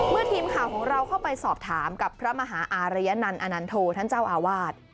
เมื่อทีมข่าวของเราเข้าไปสอบถามกับพระมหาอารยนันต์อนันโทท่านเจ้าอาวาส